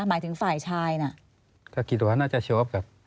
หมายถึงฝ่ายชายน่ะ